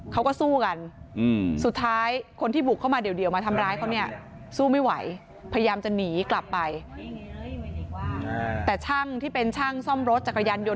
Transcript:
เขาก็สู้กันสุดท้ายคนที่บุกเข้ามาเดี่ยวมาทำร้ายเขาเนี่ยสู้ไม่ไหวพยายามจะหนีกลับไปแต่ช่างที่เป็นช่างซ่อมรถจักรยานยนต